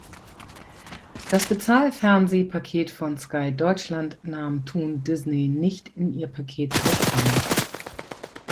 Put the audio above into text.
Das Bezahlfernseh-Paket von Sky Deutschland nahm Toon Disney nicht in ihr Paket mit ein.